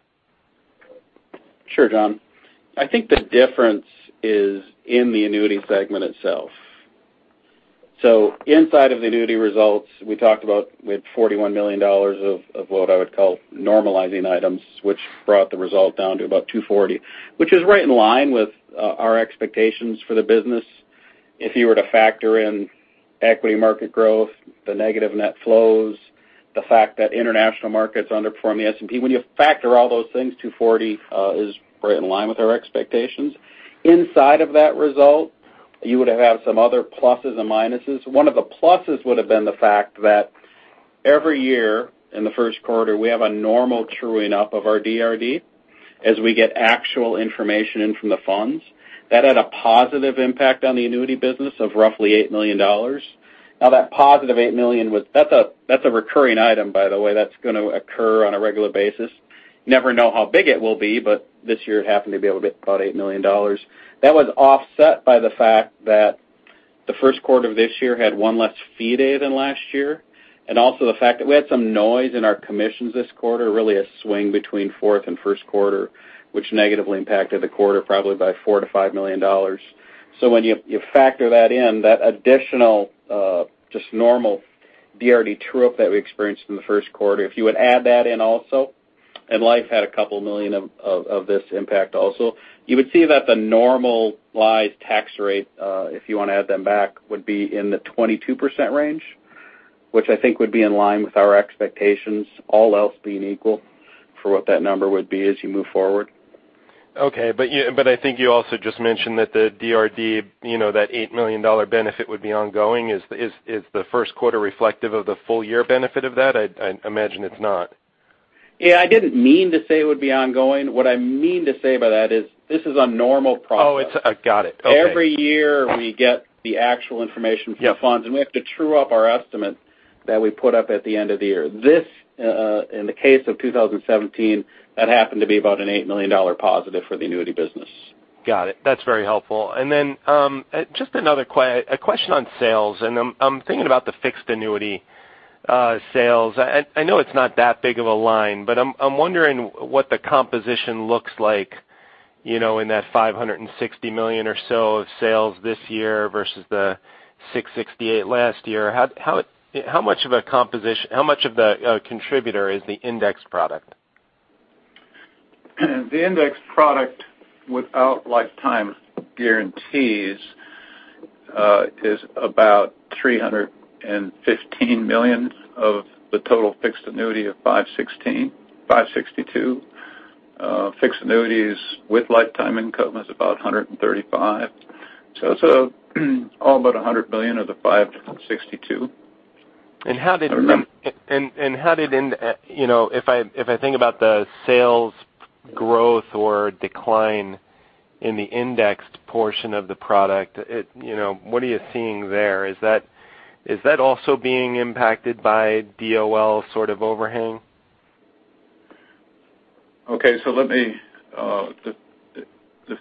[SPEAKER 4] Sure, John. I think the difference is in the annuity segment itself. Inside of the annuity results, we talked about we had $41 million of what I would call normalizing items, which brought the result down to about $240 million, which is right in line with our expectations for the business. If you were to factor in equity market growth, the negative net flows, the fact that international markets underperform the S&P. When you factor all those things, $240 million is right in line with our expectations. Inside of that result, you would have had some other pluses and minuses. One of the pluses would have been the fact that every year in the first quarter, we have a normal truing up of our DRD as we get actual information in from the funds. That had a positive impact on the annuity business of roughly $8 million. That positive $8 million, that's a recurring item, by the way. That's going to occur on a regular basis. Never know how big it will be, but this year it happened to be about $8 million. That was offset by the fact that the first quarter of this year had one less fee day than last year, and also the fact that we had some noise in our commissions this quarter, really a swing between fourth and first quarter, which negatively impacted the quarter probably by $4 million-$5 million. When you factor that in, that additional just normal DRD true-up that we experienced in the first quarter, if you would add that in also, and Life had a couple million of this impact also, you would see that the normalized tax rate, if you want to add them back, would be in the 22% range, which I think would be in line with our expectations, all else being equal, for what that number would be as you move forward.
[SPEAKER 9] Okay. I think you also just mentioned that the DRD, that $8 million benefit would be ongoing. Is the first quarter reflective of the full year benefit of that? I imagine it's not.
[SPEAKER 4] Yeah. I didn't mean to say it would be ongoing. What I mean to say by that is this is a normal process.
[SPEAKER 9] Oh, got it. Okay.
[SPEAKER 4] Every year we get the actual information from the funds, and we have to true up our estimate that we put up at the end of the year. In the case of 2017, that happened to be about an $8 million positive for the annuity business.
[SPEAKER 9] Got it. That's very helpful. Just another question on sales, and I'm thinking about the fixed annuity sales. I know it's not that big of a line, but I'm wondering what the composition looks like, in that $560 million or so of sales this year versus the $668 last year. How much of a contributor is the index product?
[SPEAKER 4] The index product without lifetime guarantees is about $315 million of the total fixed annuity of $562. Fixed annuities with lifetime income is about $135. It's all about $100 million of the $562.
[SPEAKER 9] If I think about the sales growth or decline in the indexed portion of the product, what are you seeing there? Is that also being impacted by DOL sort of overhang?
[SPEAKER 3] The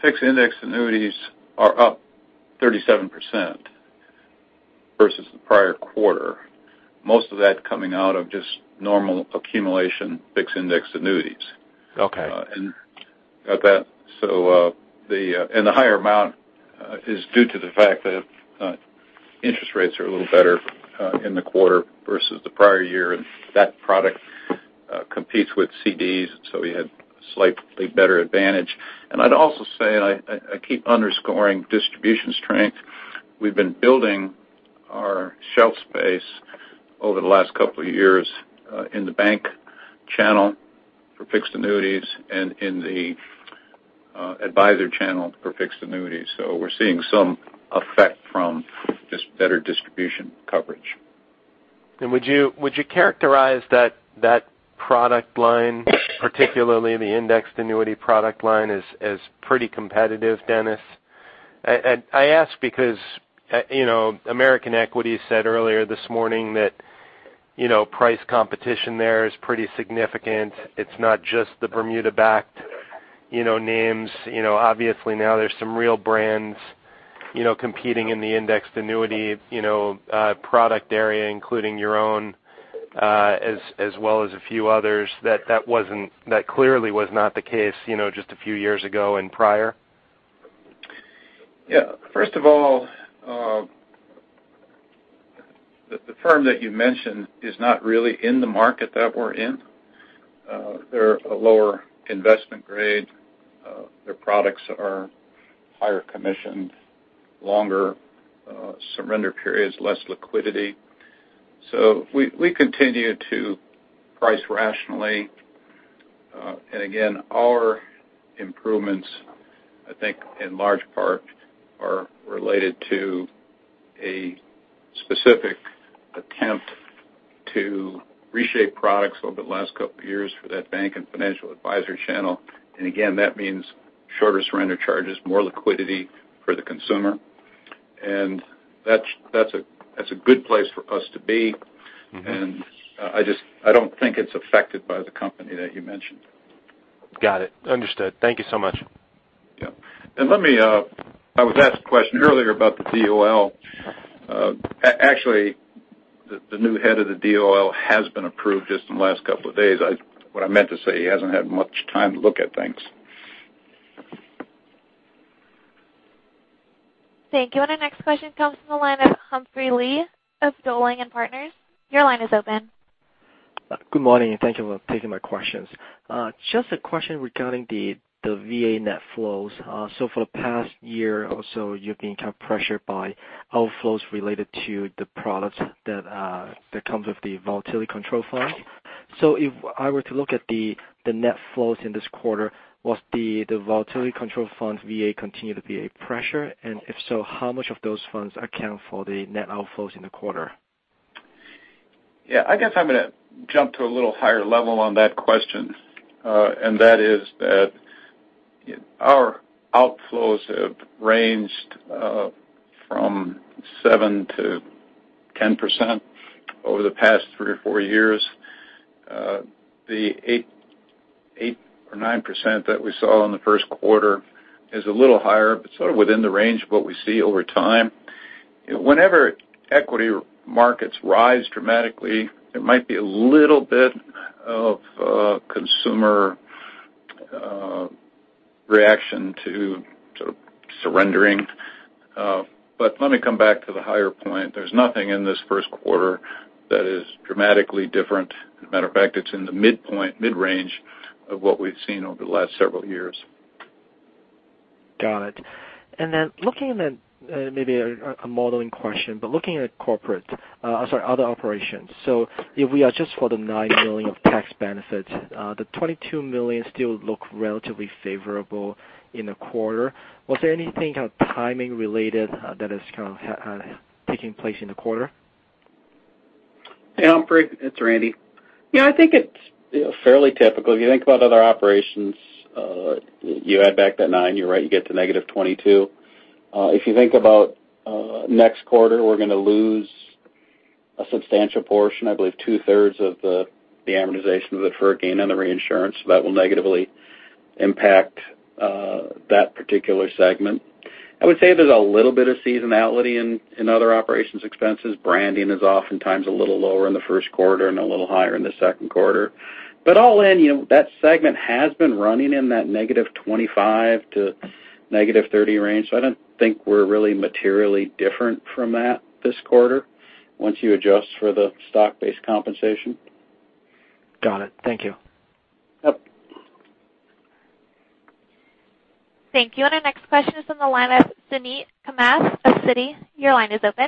[SPEAKER 3] fixed indexed annuities are up 37% versus the prior quarter. Most of that coming out of just normal accumulation fixed indexed annuities.
[SPEAKER 9] Okay.
[SPEAKER 3] The higher amount is due to the fact that interest rates are a little better in the quarter versus the prior year, and that product competes with CDs, so we had slightly better advantage. I'd also say, I keep underscoring distribution strength. We've been building our shelf space over the last couple of years in the bank channel for fixed annuities and in the advisor channel for fixed annuities. We're seeing some effect from just better distribution coverage.
[SPEAKER 9] Would you characterize that product line, particularly the indexed annuity product line, as pretty competitive, Dennis? I ask because American Equity said earlier this morning that price competition there is pretty significant. It's not just the Bermuda-backed names. Obviously, now there's some real brands competing in the indexed annuity product area, including your own, as well as a few others, that clearly was not the case just a few years ago and prior.
[SPEAKER 3] First of all, the firm that you mentioned is not really in the market that we're in. They're a lower investment grade. Their products are higher commission, longer surrender periods, less liquidity. We continue to price rationally. Again, our improvements, I think in large part, are related to a specific attempt to reshape products over the last couple of years for that bank and financial advisor channel. Again, that means shorter surrender charges, more liquidity for the consumer. That's a good place for us to be. I don't think it's affected by the company that you mentioned.
[SPEAKER 9] Got it. Understood. Thank you so much.
[SPEAKER 3] Yeah. I was asked a question earlier about the DOL. Actually, the new head of the DOL has been approved just in the last couple of days. What I meant to say, he hasn't had much time to look at things.
[SPEAKER 1] Thank you. Our next question comes from the line of Humphrey Lee of Dowling & Partners. Your line is open.
[SPEAKER 10] Good morning, and thank you for taking my questions. Just a question regarding the VA net flows. For the past year or so, you've been kind of pressured by outflows related to the products that comes with the volatility control fund. If I were to look at the net flows in this quarter, will the volatility control fund VA continue to be a pressure? And if so, how much of those funds account for the net outflows in the quarter?
[SPEAKER 4] Yeah. I guess I'm going to jump to a little higher level on that question. That is that our outflows have ranged from 7%-10% over the past three or four years.
[SPEAKER 3] 8% or 9% that we saw in the first quarter is a little higher, but sort of within the range of what we see over time. Whenever equity markets rise dramatically, there might be a little bit of consumer reaction to sort of surrendering. Let me come back to the higher point. There's nothing in this first quarter that is dramatically different. As a matter of fact, it's in the mid-range of what we've seen over the last several years.
[SPEAKER 10] Got it. Looking at maybe a modeling question, but looking at corporate, I'm sorry, other operations. If we adjust for the $9 million of tax benefits, the $22 million still look relatively favorable in the quarter. Was there anything kind of timing related that is kind of taking place in the quarter?
[SPEAKER 4] It's Randy. I think it's fairly typical. If you think about other operations, you add back that nine, you're right, you get to negative 22. If you think about next quarter, we're going to lose a substantial portion, I believe two-thirds of the amortization of the hurricane and the reinsurance. That will negatively impact that particular segment. I would say there's a little bit of seasonality in other operations expenses. Branding is oftentimes a little lower in the first quarter and a little higher in the second quarter. All in, that segment has been running in that negative 25 to negative 30 range. I don't think we're really materially different from that this quarter, once you adjust for the stock-based compensation.
[SPEAKER 10] Got it. Thank you.
[SPEAKER 4] Yep.
[SPEAKER 1] Thank you. Our next question is on the line of Suneet Kamath of Citi. Your line is open.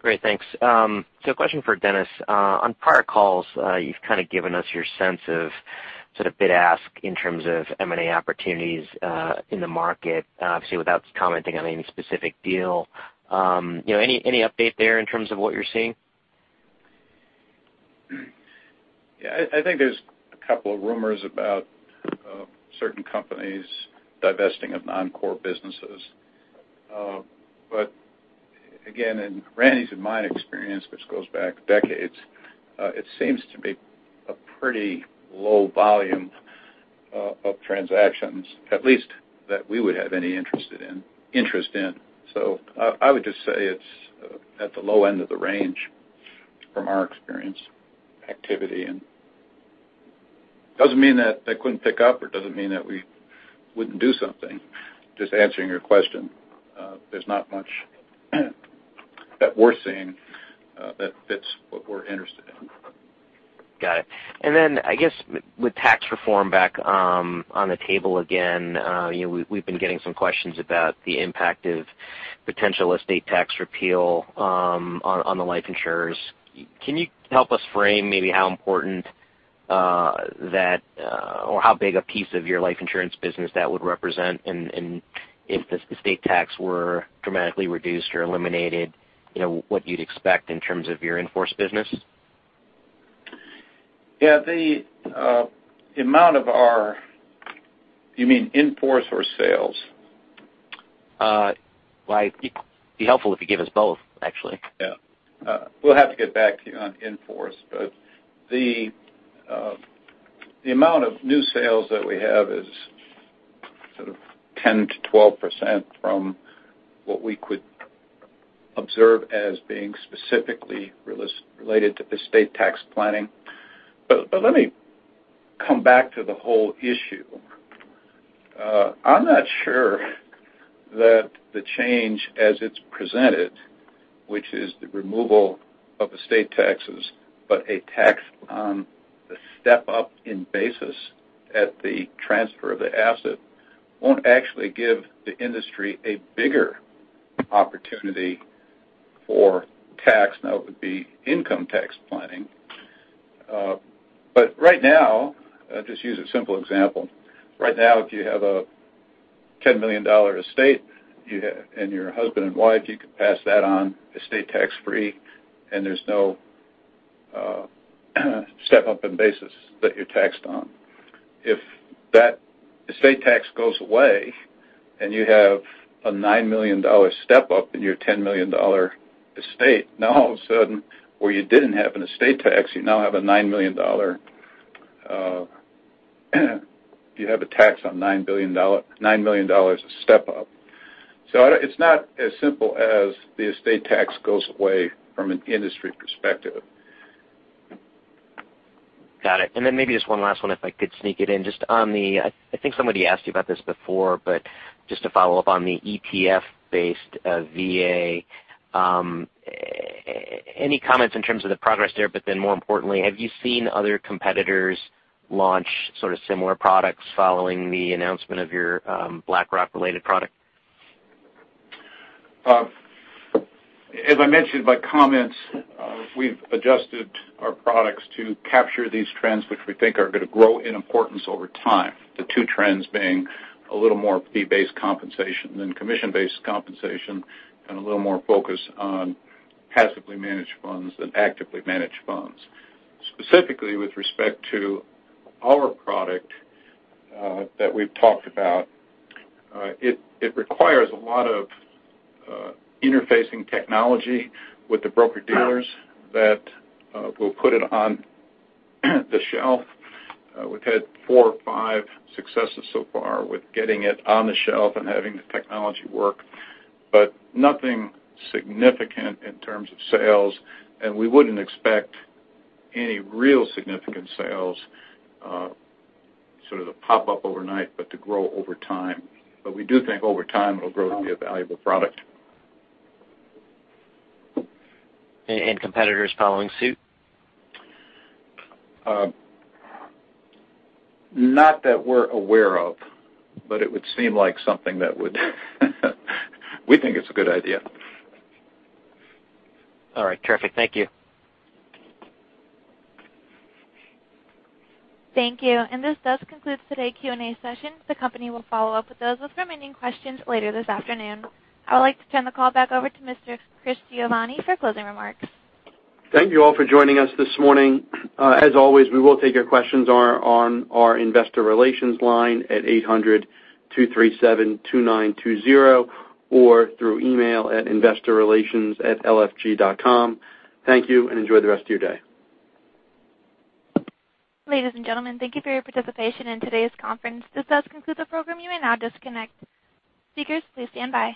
[SPEAKER 11] Great, thanks. A question for Dennis. On prior calls, you've kind of given us your sense of sort of bid ask in terms of M&A opportunities in the market. Obviously, without commenting on any specific deal. Any update there in terms of what you're seeing?
[SPEAKER 3] Yeah. I think there's a couple of rumors about certain companies divesting of non-core businesses. Again, in Randy's and my experience, which goes back decades, it seems to be a pretty low volume of transactions, at least that we would have any interest in. I would just say it's at the low end of the range from our experience, activity, and doesn't mean that they couldn't pick up, or it doesn't mean that we wouldn't do something. Just answering your question. There's not much that we're seeing that fits what we're interested in.
[SPEAKER 11] Got it. I guess with tax reform back on the table again, we've been getting some questions about the impact of potential estate tax repeal on the life insurers. Can you help us frame maybe how important that or how big a piece of your life insurance business that would represent and if the estate tax were dramatically reduced or eliminated, what you'd expect in terms of your in-force business?
[SPEAKER 3] Yeah. The amount of you mean in force or sales?
[SPEAKER 11] It'd be helpful if you gave us both, actually.
[SPEAKER 3] Yeah. We'll have to get back to you on in force, but the amount of new sales that we have is 10%-12% from what we could observe as being specifically related to estate tax planning. Let me come back to the whole issue. I'm not sure that the change as it's presented, which is the removal of estate taxes, but a tax on the step-up in basis at the transfer of the asset, won't actually give the industry a bigger opportunity for tax. Now, it would be income tax planning. Right now, I'll just use a simple example. Right now, if you have a $10 million estate, and you're husband and wife, you could pass that on estate tax-free, and there's no step-up in basis that you're taxed on. If that estate tax goes away and you have a $9 million step-up in your $10 million estate, now all of a sudden, where you didn't have an estate tax, you have a tax on $9 million step-up. It's not as simple as the estate tax goes away from an industry perspective.
[SPEAKER 11] Got it. Maybe just one last one, if I could sneak it in. Somebody asked you about this before, just to follow up on the ETF-based VA. Any comments in terms of the progress there, more importantly, have you seen other competitors launch sort of similar products following the announcement of your BlackRock-related product?
[SPEAKER 3] As I mentioned in my comments, we've adjusted our products to capture these trends, which we think are going to grow in importance over time. The two trends being a little more fee-based compensation than commission-based compensation, and a little more focus on passively managed funds than actively managed funds. Specifically, with respect to our product that we've talked about, it requires a lot of interfacing technology with the broker-dealers that will put it on the shelf. We've had four or five successes so far with getting it on the shelf and having the technology work, nothing significant in terms of sales, and we wouldn't expect any real significant sales sort of to pop up overnight, but to grow over time. We do think over time, it'll grow to be a valuable product.
[SPEAKER 11] Competitors following suit?
[SPEAKER 3] Not that we're aware of, it would seem like something we think it's a good idea.
[SPEAKER 11] All right, perfect. Thank you.
[SPEAKER 1] Thank you. This does conclude today's Q&A session. The company will follow up with those with remaining questions later this afternoon. I would like to turn the call back over to Mr. Christopher Giovanni for closing remarks.
[SPEAKER 2] Thank you all for joining us this morning. As always, we will take your questions on our investor relations line at 800-237-2920 or through email at investorrelations@lfg.com. Thank you, and enjoy the rest of your day.
[SPEAKER 1] Ladies and gentlemen, thank you for your participation in today's conference. This does conclude the program. You may now disconnect. Speakers, please stand by.